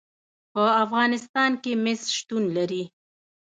په افغانستان کې مس شتون لري.